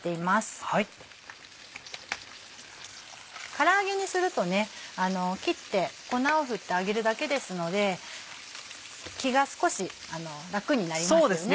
から揚げにすると切って粉を振って揚げるだけですので気が少し楽になりますよね。